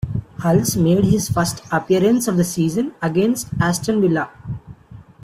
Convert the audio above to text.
Hulse made his first appearance of the season, against Aston Villa.